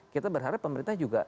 kita berharap pemerintah juga